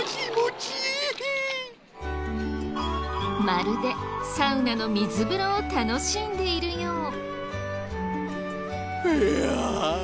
まるでサウナの水風呂を楽しんでいるよう。